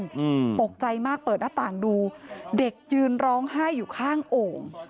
อืมตกใจมากเปิดหน้าต่างดูเด็กยืนร้องไห้อยู่ข้างโอ่ง